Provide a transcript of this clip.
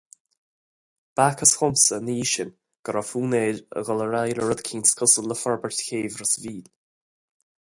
B'fhacthas domsa ina dhiaidh sin go raibh fonn air dul ar aghaidh le rud eicínt cosúil le forbairt chéibh Ros an Mhíl.